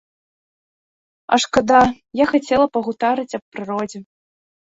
А шкада, я хацела пагутарыць аб прыродзе.